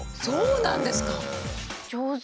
そうなんですか！